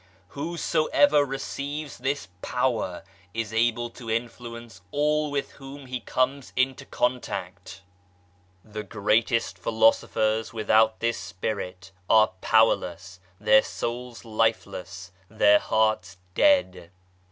Whosoever receives this power is able to influence all with whom he comes into contact. 154 POWER OF THE HOLY SPIRIT The greatest philosophers without this Spirit are powerless, their souls lifeless, their hearts dead